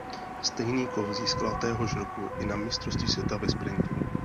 Stejný kov získala téhož roku i na Mistrovství světa ve sprintu.